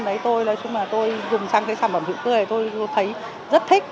đấy tôi nói chung là tôi dùng sang cái sản phẩm hữu cơ này tôi thấy rất thích